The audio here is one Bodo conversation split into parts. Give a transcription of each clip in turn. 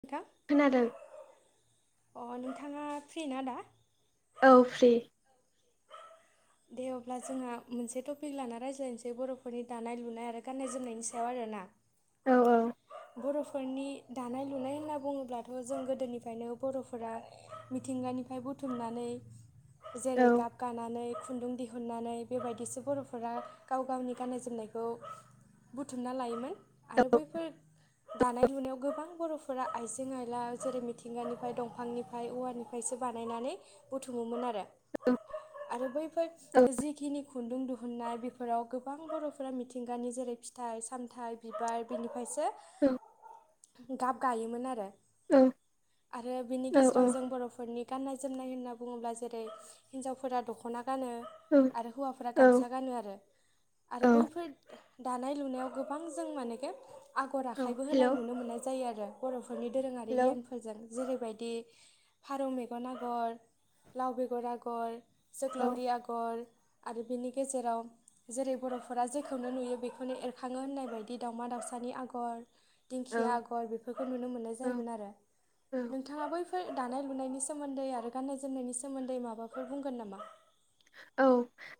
नोंथां खोनादों अ नोंथाङा फ्रि ना दा? औ फ्रि। दे अब्ला जोंहा मोनसे टपिक लाना रायज्लायनोसै बरफोरनि दानाय लुनाय आरो गाननाय जोमनायनि सायाव आरो खोना औ औ बरफोरनि दानाय लुनाय होनना बुङोब्लाथ जों गोदोनिफ्रायनो बरफोरा मिथिंगानि निफ्राय बुथुमनानै जेरै औ गाब गानानै खुन्दुं दिहुननानै बेबायदिसो बरफोरा गाव गावनि गाननाय जोमनायखौ बुथुमना लायोमोन आरो औ बैफोर दानाय लुनायाव गोबां बरफोर फोरा आइजें आइला जेरै मिथिंगानिफ्राय दंफांनिफ्राय औवानिफ्रायसो बानायनानै बुथुमोमोन आरो [unintelligible] आरो औ बैफोर जिखिनि खुन्दुं दिुहुननाय बेफोराव गोबां बरफोरा मिथिंगानि जेरै फिथाइ सामथाइ बिबार बेनिफ्रायसो औ गाब गायोमोन आरो औ आरो बिनि औ गेजेराव जों बरफोरनि गाननाय जोमनाय होनना बुङोब्ला जेरै हिनजावफोरा दखना गानो आरो हौवाफोरा औ गामसा गानो आरो औ आरो बैफोर दानाय लुनायाव गोबां जों मानेखे आगर औ आखाइबो होनाय हेलौ नुनो मोननाय जायोआरो बर नि दोरोङारि हेलौ गियानफोरजों जेरैबायदि फारौ मेगन आगर लाव बेगर आगर औ जोग्लाव गर आरो बिनि गेजेराव जेरै बरफोरा जेखौनो नुयो बेखौनो एरखाङो होननाय बायदि दाउमा दाउसानि आगर औ दिंखिया आगर बेफोरखौ नुनो मोननाय औ जायोमोन आरो औ नोंथाङा बैफोर फोर दानाय लुनायनि सोमोन्दै आरो गान्नाय जोमनायनि सोमोन्दै माबाफोर बुंगोन नामा? औ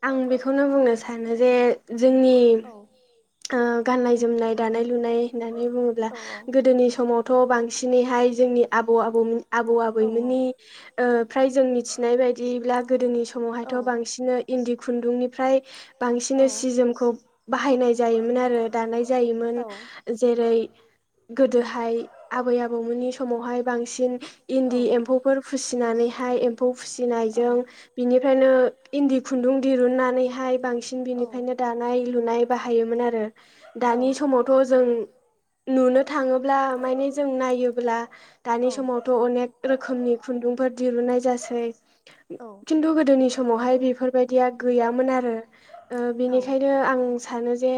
आं बेखौनो बुंनो सानो जे जोंनि औ ओ गाननाय जोमनाय दानाय लुनाय होननानै बुङोब्ला औ औ गोदोनि समावथ बांसिनैहाय [unintelligible] जों आबौ औ आबैमोननि ओ फ्राय जों मिथिनाय बायदिब्ला आंनि समावहायथ बांसिननो इन्दि खुन्दुंनिफ्राय औ बांसिन सि जोमखौ बाहायनाय जायोमोन आरो दानाय जायोमोन औ जेरै गोदोहाय आबै आबौमोननि समावहाय बांसिन औ इन्दि एम्फौफोर फिसिनानैहाय एम्फौ औ फिसिनायजों बिनि नो इन्दि खुन्दुं दिरुननानैहाय बांसिन औ औ बिनिफ्रायनो दानाय लुनाय बाहायोमोन आरो दानि समावथ जों नुनो था ब्ला माने जों नायोब्ला दानि समावथ अनेक रोखोमनि खुन्दुंफोर दिरुनाय जा थिन्दु जोंनि समावहाय बेफोरबायदिया गैयामोन आरो बेनिखायनो आं सानो जे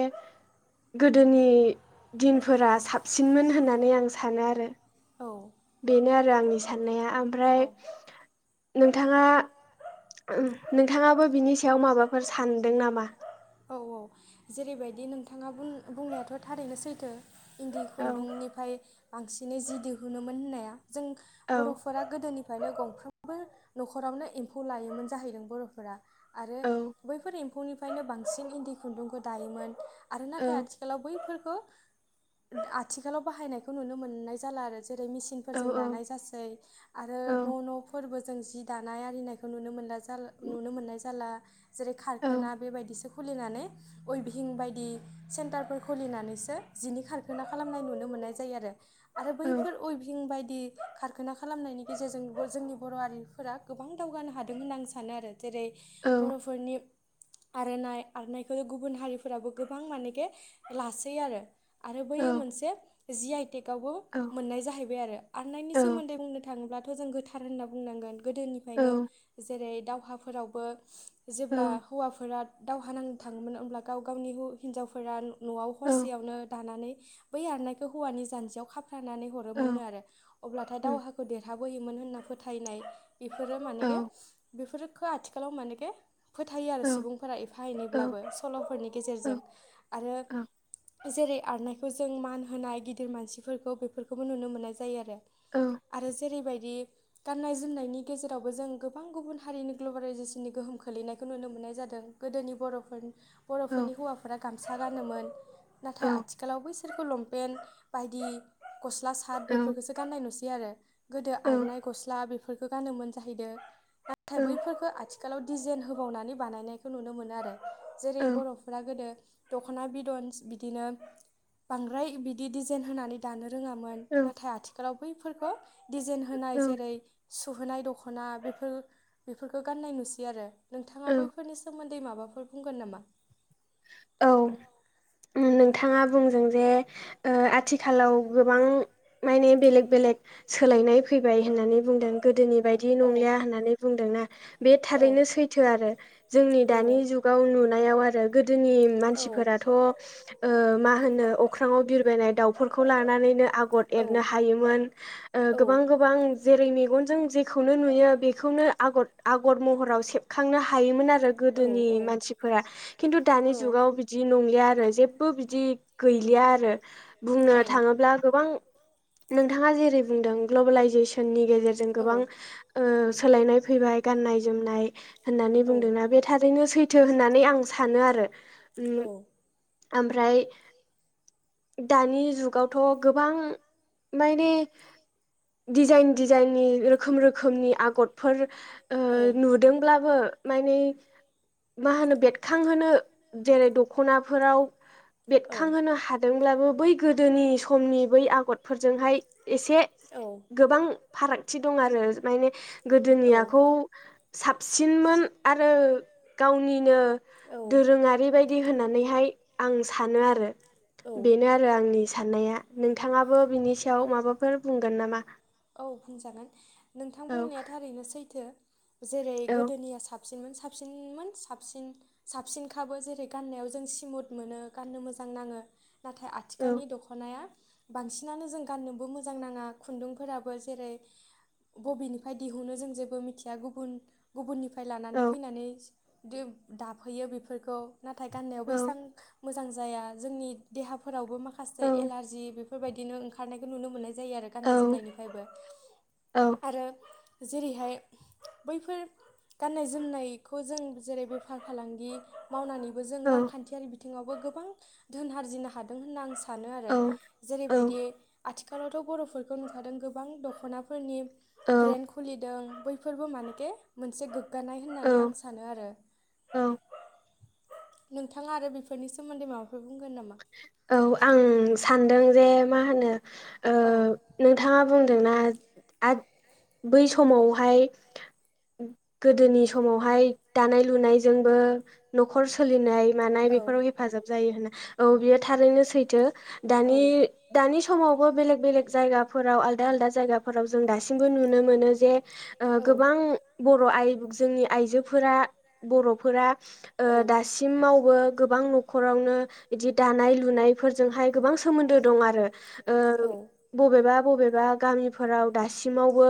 गोदोनि दिनफोरा साबसिनमोन होननानै आं सानो आरो। औ बेनो आरो आंनि साननाया औ ओमफ्राय नोंथाङा नोंथाङाबो बिनि सायाव माबाफोर सानदों नामा औ औ जेरैबायदि नोंथाङा बुंनायाथ थारैनो सैथो इन्दि औ खुन्दुंनिफ्राय बांसिनै जि दिहुनोमोन होननाया जों औ बर'फोरा गोदोनि गंफ्रामबो न'खरावनो एम्फौ लायोमोन जाहैदों बर'फोरा आरो औ बैफोर एम्फौनिफ्रायनो बांसिन इन्दि खुन्दुंखौ दायोमोन आरो औ नाथाय आथिखालाव बैफोरखौ आथिखालाव बाहायनायखौ नुनो मोननाय जाला आरो ज जेरै औ मेसिनफोरजों दानाय जासै आरो औ न' न'फोरबो जों जि दानाय आरिनायखौ नुनो मोनला जा नुनो मोननाय जाला जेरै औ खारखाना बेबायदिसो खुलिनानै उइभहिं बायदि सेन्टारफोर खुलिनानैसो जिनि खारखाना खालामनाय नुनो मोन- -मोनाय जायो आरो औ बैफोर ऐभिं बा दि खारखाना खालामनायनि गेजेरजों जोंनि बर' हारिफोरा गोबां दावगानो हादों होनना आं सानो आरो जेरै औ बर'फोरनि आर'नाइ आरनायखौ गुबुन हारिफोराबो गोबां मानेखे लासै आरो आरो बै औ मोनसे जि आइटेकवबो मोननाय जाहैबाय आरो आरनायनि औ सोमोन्दै बुंनो थाङोब्ला जों गोथार होनना बुंनांगोन गोदोनिफ्रायनो जेरै दावहाफोरावबो जेब्ला औ हौवाफोरा दावहा नांनो थाङोम ओमब्ला गाव गावनि हिन्जावफोरा न'आव हरसेयावनो दानानै बै आरनायखौ हौवानि जान्जियाव खाब फथानानै हरोमोननो आरो अब्लाथाय दावहाखौ देरहाबोयोमोन होनना फोथायनाय बेफोरो मानेे बेफोरफोरखौ आथिखालाव मानेे फोथायो आरो सुबुंफोरा बाहायनोबो सल'फोरनि गेजेरजों आरो जेरै आरनायखौ जों मान होनाय गिदिर मानसिफोरखौ बेफोरखौबो नुनो मोननाय जायो आरो आरो जेरैबाय दि गाननाय जोमनायनि गेजेरावबो जों गोबां गुबुन हारिनि ग्लबेलाइजेसननि गोहोम खोलैनायखौ नुनो मोनो मोननाय जादों गोदोनि बर'फोर बर'फोरनि हौवाफोरा गामसा गानोमोन नाथाय आथिखालाव खौ लंपेन्ट बायदि गस्ला सार्ट बेफोरखौसो गाननाय नुसै आरो गोदो आर'नानाय गस्ला बेफोरखौ गानोमोन जाहैदों नाथाय बैफोरफोरखौ आथि खालाव डिजाइन होबावनानै बानायनायखौ नुनो मोनो आरो जेरै बर'फ्रा गोदो दख'ना बिदन बिदिनो बांद्राय बिदि जाइन होनानै दानो रोङामोन नाथाय आथिखालाव बैफोरखौ डिजाइन होनाय जेरै सुहोनाय दख'ना बेफोर बेफोरखौ गाननाय नुसै आरो औ नोंथाङा बैफोरनि सोमोन्दै माबाफोर बुंगोन नामा औ नोंथाङा बुंदों जे ओ आथिखालाव गोबां माने बेलेक बेलेक सोलायनाय फैबाय होननानै बुंदों गोदोनि औ बायदि नंलिया होननानै बुंदोंना बे थारैनो सैथो आरो जोंनि दानि जुगाव नुनायाव आरो जोंनि मानसिफोराथ ओ मा होनो अख्राङाव बिरबायनाय दाउ फोरखौ लानानैनो आगर एरनो हायोमोन गोबां गोबां जेरै मेगनजों जेखौनो नुयो बेखौनो आगर आगर महराव सेबखांनो हायोमोन आरो गोदोनि मानसिफोरा खिन्थु दानि जुगाव बिदि नंलिया आरो जेबो बिदि गैलिया आरो बुंनो थांङोब्ला गोबां नोंथांङा जेरै बुंदों ग्लबेलाइजेसननि गेजेरजों औ गोबां ओ सोलायनाय फैबाय। गाननाय जोमनाय होननानै बुंदोंना बे थारैनो सैथो होननानै आं सानो आरो ओम आरो औ ओमफ्राय दानि जुगावथ' गोबां माने दिजाइन दिजाइननि रोखोम रोखोमनि आगरफोर ओ नुदोंब्लाबो माने माने मा होनो बेरथांहोनो जेरै दखनाफोराव औ बेरखांहोनो हादोंब्लाबो बै गोदोनि समनि बै आगरफोरजोंहाय एसे औ गोबां फारागथि दं आरो माने औ गोदोनियाखौ साबसिनमोन आरो गावनिनो औ दोरोंङारि बायदि होनानैहाय आं सानो आरो औ बेनो आरो आं नि साननाया नोंथांङाबो बिनि सायाव माबाफोर बुंगोन नामा? औ बुंजागोन। नोंथां औ बुंनाया थारैनो सैथो। जेरै औ गोदोनिया साब सिन साबसिनमोन साबसिन साबसिनखाबो जेरै गाननायाव जों स्मुथ मोनो गाननो मोजां नाङो नाथाय औ आथिखालनि दखनाया बांसिनानो जों गांननोबो मोजां नांङा खुनदुं फोराबो जेरै बबेनिफ्राय दिहुनो जों जेबो मिथिया गुबन गुबनि फ्राय लानानै औ फैनानै देब-दाफैयो बेफोरखौ नाथाय गाननायाव औ एसेबां मोजां जाया जोंनि देहाफोरावबो माखासे औ एलारजि बेफोरबायदिनो ओंखारनायखौ नुनो मोननाय जायो आरो गानाय औ जोमनायनिफ्रायबो औ आरो जेरैहाय बैफोर गाननाय जोमनायखौ जों जेरै बेफार फालांगि मावनानैबो जों औ रांखान्थियारि बिथिंङावबो गोबां धोन आरजिनो हादों होनना आं सा सानो आरो औ जेरैबायदि आथिखालावथ बरफोरखौ नुखादों गोबां दखनाफोरनि ब्रेन खुलिदों बैफोरबो मानेके मोनसे गोग गानाय होननानै आं औ सानो आरो। औ नोंथांङा आरो बेफोरनि सोमोन्दै माबाफोर बुंगोन नामा औ आं सानदों जे मा होनो ओ औ नोंथांङा बुंदोंना आद बै समावहाय गोदोनि समावहाय दानाय लुनायजोंबो नखर सोलिनाय मानाय बेफोराव हेफाजाब जायो होनना। औ बियो थारैनो सैथो दानि-दानि समाव बै बेलेग बेलेग जायगाफोराव आलदा-आलादा जायगाफोराव जों दासिमबो नुनो मोनो जे ओ गोबां बर'आइ जोंनि आइजोफोरा बरफोरा ओ दासिमावबो गोबां नखरावनो बिदि दानाय लुनायफोरजोंहाय गोबां सोमोन्दो दं आरो ओ औ बबेबा बबेबा गामिफोराव दासिमावबो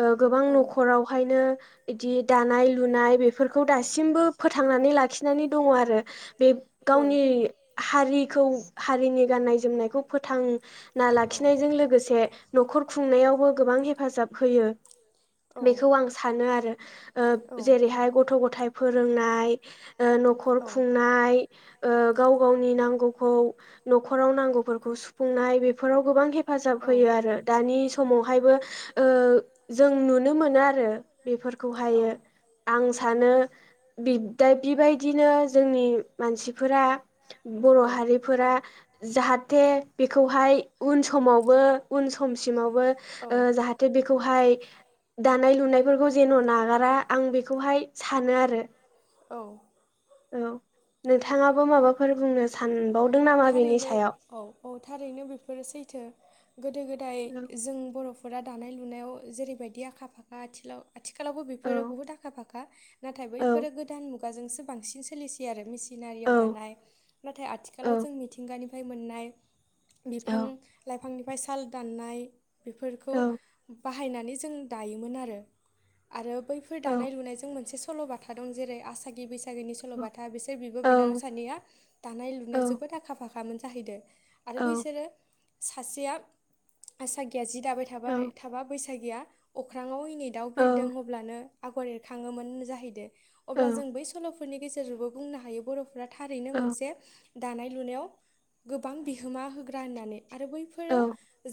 ओ औ गोबां नखरावहायनो बिदि दानाय लुनाय बेफोरखौ दासिमबो फोथांनानै लाखिनानै दंङ आरो बे गावनि हारिखौ हारिनि गाननाय जोमनायखौ फोथांना लाखिनायजों लोगोसे नखर खर खुंनायावबो गोबां हेफाजाब होयो। बेखौ आं सानो आरो ओ जेरैहाय गथ' गथाय फोरोंनाय ओ‌ नखर खुंनाय ओ गाव गावनि नांगौखौ नखराव नांगौफोरखौ सुफुंनाय बेफोराव गोबां हेफाजाब होयो आरो। दानि समावहायबो ओ जों नुनो मोनो आरो औ बेफोरखौहायो आं सानो बि दा बिबायदिनो जोंनि मानसिफोरा बर' हारिफोरा जाहाथे बेखौहाय उन समावबो उन समसिम आवबो औ ओ जाहाथे बेखौहाय दानाय लुनायफोरखौ जेन नागारा आं बेखौहाय सानो आरो औ औ नोंथाङाबो माबाफोर बुंनो सान थारैनो औ औ थारैनो बेफोरो सैथो गोदो गोदाय औ जों बर'फोरा दानाय लुनायाव जेरैबायदि आखा फाखा आथिखालाव आथिखालावबो औ बेफोरो बुहुत आखा फाखा नाथाय औ बैफोरो गोदान मुगाजोंसो बांसिन सोलिसैयो आरो मिसिन सिनारियाव औ दानाय नाथाय औ आथिखालाव जों मिथिंगानिफ्राय मोननाय बिफां लाइफांनिफ्राय साल दाननाय बेफोरखौ औ बाहायनानै जों दायोमोन आरो आरो बैफोर औ दानाय लुनायजों मोनसे सल'बाथा दं जेरै आसागि बैसागिनि सल'बाथा बिसोर बिब' औ बिनानाव सानैया दानाय औ लुनायाव जोबोद आखा फाखामोन जाहैदों आरो औ बैसोरो सासेया आ गिया जि दाबाय थाबाय थाबा बैसागिया अख्राङाव एनै दाउ बिरदों हब्लानो आगर एरखाङोमोन जाहैदों अब्ला औ जों बै सल'फोरनि गेजेरजोंबो बुंनो हायो बर'फोरा थारैनो औ मोनसे दानाय लुनायाव गोबां बिहोमा होग्रा होननानै आरो बैफोरो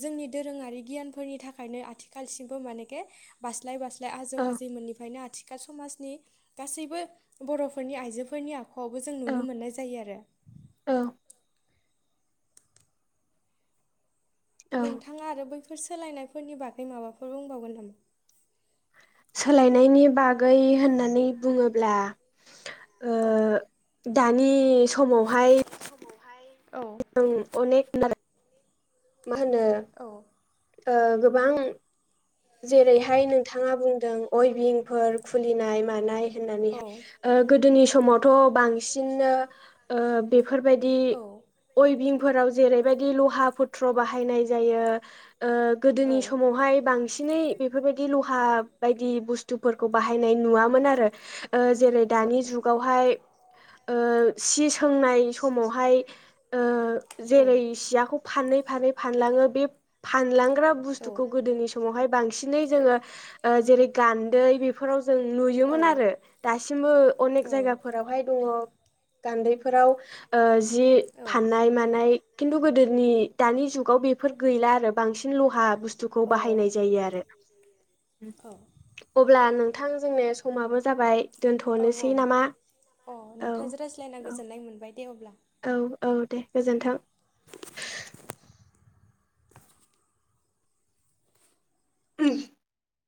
जोंनि दोरोङारि गियानफोरनि थाखायनो आथिखालसिमबो माने बास्लाय बास्लाय आजौ आजैमोननिफ्रायनो आथिखाल समाजनि गासैबो बर'फोरनि आइजोफोरनि आ अख'आवबो जों औ नुनो मोननाय जायो आरो औ नोंथाङा आरो बैफोर सोलायनायफोरनि बागै माबाफोर बुंबावगोन नामा सोलायनायनि बागै होननानै बुङोब्ला ओ औ दानि समावहाय औ अनेक मा होनो औ ओ गोबां जेरैहाय नोंथाङा बुंदों अइभिंफोर खुलिनाय मानाय होननानै औ ओ गोदोनि समावथ' बांसिननो ओ बेफोरबायदि अयभिंफोराव जेरैबायदि लहा पुथ्र बाहायनाय जायो ओ औ गोदोनि समावहाय बांसिनै बेफोरबायदि लहा बायदि बुस्थुफोरखौ बाहायनायनि नुवामोन आरो जेरै दानि जुगावहाय ओ सि सोंनाय समावहाय ओ औ जेरै सियाखौ फानैै फानैै फानलाङो बे फानलांग्रा बुस्थुखौ गोदोनि समावहाय बांसिनै जोङो जेरै गान्दै बेफोराव जों नुयोमोन आरो दासिमबो अनेक जायगाफोराव बहाय दङ गान्दैफोराव जि फाननाय मानाय खिन्थु गोदोनि दानि जुगाव बेफोर गैला आरो बांसिन लहा बुस्थुखौ बाहायनाय जायो आरो ओम औ अब्ला नोंथां जोंना समाबो जाबाय औ दोनथ'नोसै नामा अ औ नोंथांजों रायज्लायना औ गोजोन्नाय मोनबाय दे अब्ला औ औ दे गोजोन्थों